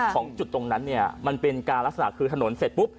ของจุดตรงนั้นเนี่ยมันเป็นการลักษณะคือถนนเสร็จปุ๊บ